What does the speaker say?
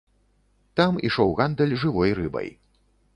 Там ішоў гандаль жывой рыбай.